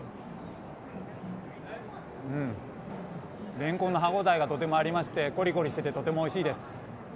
レンコンの歯応えがとてもありましてこりこりしていてとてもおいしいです。